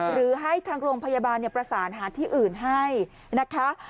หรือให้ทางโรงพยาบาลประสานหาที่อื่นให้นะคะ